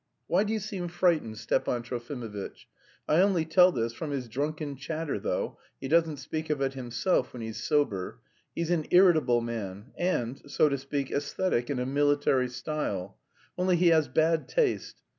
Why do you seem frightened, Stepan Trofimovitch? I only tell this from his drunken chatter though, he doesn't speak of it himself when he's sober. He's an irritable man, and, so to speak, æsthetic in a military style; only he has bad taste.